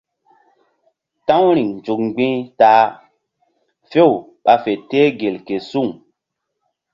Ta̧w riŋ nzuk mgbi̧h ta a few ɓa fe teh gel ke suŋ.